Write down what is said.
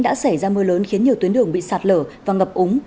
đã xảy ra mưa lớn khiến nhiều tuyến đường bị sạt lở và ngập úng